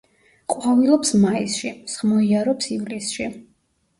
ყვავილობს მაისში, მსხმოიარობს ივლისში.